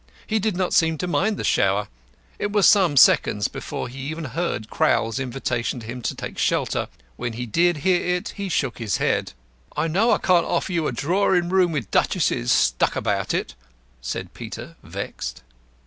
He did not seem to mind the shower. It was some seconds before he even heard Crowl's invitation to him to take shelter. When he did hear it he shook his head. "I know I can't offer you a drawing room with duchesses stuck about it," said Peter, vexed.